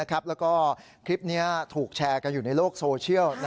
แล้วก็คลิปนี้ถูกแชร์กันอยู่ในโลกโซเชียล